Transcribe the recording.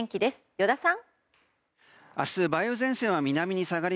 依田さん。